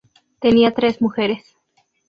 Tenía tres mujeres.